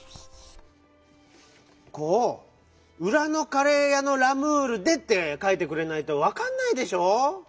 こう「うらのカレーやのラムールで」ってかいてくれないとわかんないでしょう？